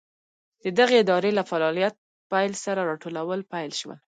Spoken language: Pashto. د دغې ادارې له فعالیت پیل سره راټولول پیل شول.